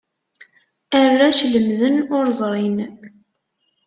Arrac lemmden ur ẓrin.